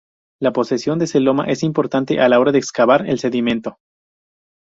La posesión de celoma es importante a la hora de excavar el sedimento.